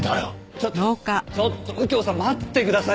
ちょっとちょっと右京さん待ってください。